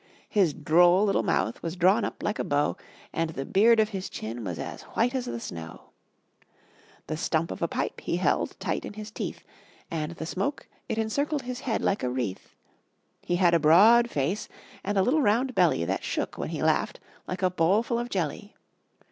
His droll little mouth was drawn up like a bow, And the beard of his chin was as white as the snow; The stump of a pipe he held tight in his teeth, And the smoke it encircled his head like a wreath; He had a broad face and a little round belly, That shook when he laughed, like a bowlful of jelly.